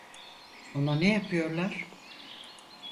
Ona ne yapıyorlar?